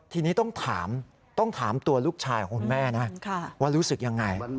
ทีนี้ต้องถามตัวลูกชายของแม่นะว่ารู้สึกอย่างไร